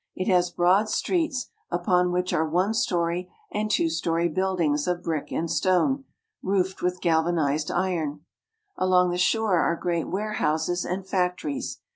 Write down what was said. It has broad streets, upon which ■^re one story and two story buildings of brick and stone, Foofed with galvanized iron. Along the shore are great warehouses and factories.